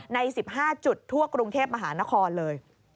ใน๑๕จุดทั่วกรุงเทพมหานครเลย